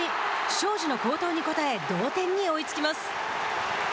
荘司の好投に応え同点に追いつきます。